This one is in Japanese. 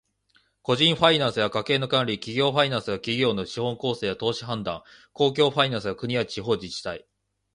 個人ファイナンスでは家計の管理、企業ファイナンスでは企業の資本構成や投資判断、公共ファイナンスでは国や地方自治体の予算や財政政策が扱われます。